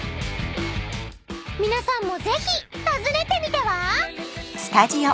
［皆さんもぜひ訪ねてみては？］